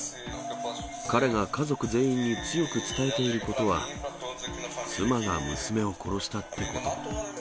彼が家族全員に強く伝えていることは、妻が娘を殺したってこと。